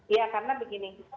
ya karena begini